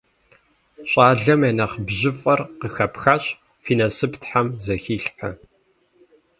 Щӏалэм я нэхъ бжьыфӏэр къыхэпхащ, фи насып тхьэм зэхилъхьэ.